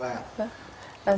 vâng ạ vâng ạ